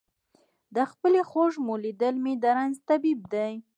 د خپلې خوږ مور لیدل مې د رنځ طبیب دی.